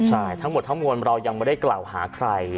ใช่ทั้งหมดทั้งมวลเรายังไม่ได้กล่าวหาใคร